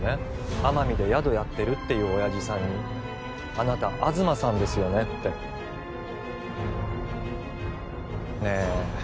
奄美で宿やってるっていうオヤジさんにあなた東さんですよねってねえ